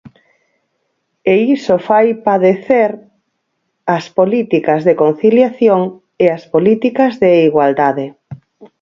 E iso fai padecer as políticas de conciliación e as políticas de igualdade.